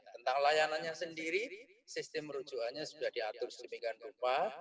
tentang layanannya sendiri sistem merujukannya sudah diatur sedemikian rupa